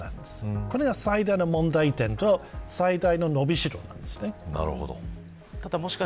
これが最大の問題点と最大の伸びしろでもあります。